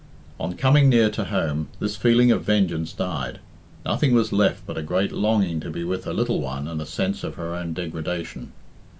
On coming near to home this feeling of vengeance died. Nothing was left but a great longing to be with her little one and a sense of her own degradation.